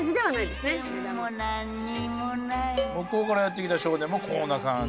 向こうからやって来た少年もこんな感じ。